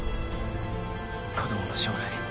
子供の将来